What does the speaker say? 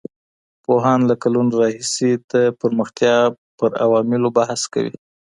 پوهان له کلونو راهيسې د پرمختيا پر عواملو بحث کوي.